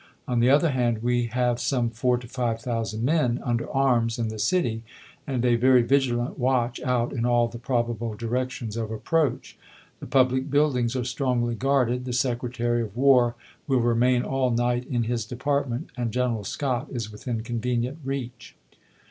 On the other hand, we have some four to five thousand men under arms in the city, and a very vigilant watch out in all the probable directions of approach. The public buildings are strongly guarded ; the Secretary of War will remain all night in his Department, and General Scott is within convenient reach. Chap.